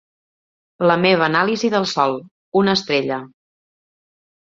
La meva anàlisi del sol: una estrella.